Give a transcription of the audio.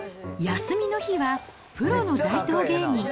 休みの日は、プロの大道芸人。